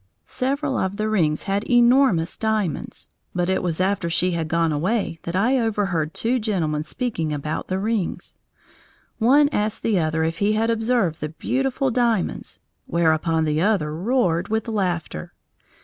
Several of the rings had enormous diamonds, but it was after she had gone away that I overheard two gentlemen speaking about the rings. One asked the other if he had observed the beautiful diamonds, whereupon the other roared with laughter.